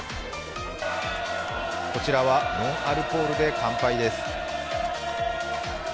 こちらはノンアルコールで乾杯です。